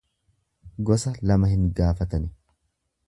Gosa lama hin gaafatani.